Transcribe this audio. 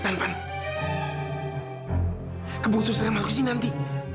tante kebuk susah susah maksudnya nanti